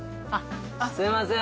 すいません